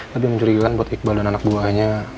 tapi mencurigakan buat iqbal dan anak buahnya